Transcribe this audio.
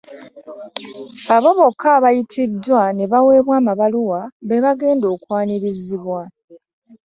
Abo bokka abayitiddwa ne baweebwa ebbaluwa be bagenda okwanirizibwa